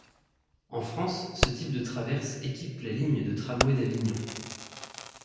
En France, ce type de traverse équipe la ligne de tramway d’Avignon.